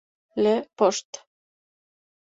Le Port